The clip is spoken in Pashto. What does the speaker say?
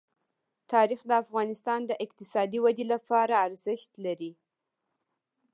تاریخ د افغانستان د اقتصادي ودې لپاره ارزښت لري.